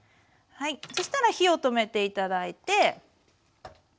そしたら火を止めて頂いて。